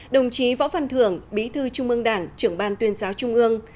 đồng chí võ phan thưởng bí thư trung ương đảng trưởng ban tuyên giáo trung ương